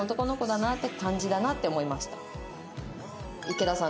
池田さん